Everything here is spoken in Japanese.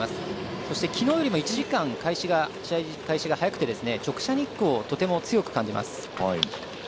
そして、きのうよりも１時間試合開始が遅くて直射日光をすごく感じます。